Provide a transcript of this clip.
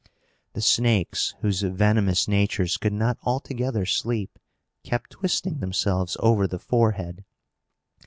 The snakes, whose venomous natures could not altogether sleep, kept twisting themselves over the forehead.